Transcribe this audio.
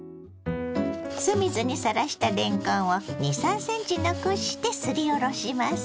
酢水にさらしたれんこんを２３ｃｍ残してすりおろします。